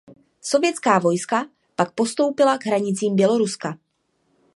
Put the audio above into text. Sovětská vojska tak postoupila k hranicím Běloruska.